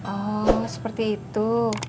oh seperti itu